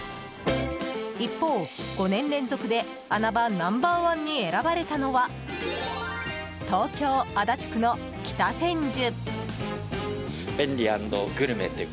一方、５年連続で穴場ナンバー１に選ばれたのは東京・足立区の北千住。